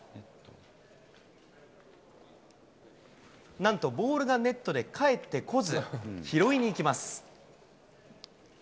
なんとボールがネットで返ってこず、拾いに行きます。